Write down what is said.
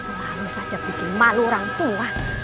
selalu saja bikin malu orang tua